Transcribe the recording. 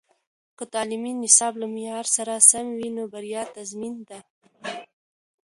که تعلیمي نصاب له معیار سره سم وي، نو بریا تضمین ده.